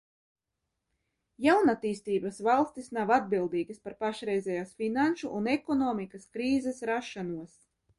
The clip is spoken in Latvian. Jaunattīstības valstis nav atbildīgas par pašreizējās finanšu un ekonomikas krīzes rašanos.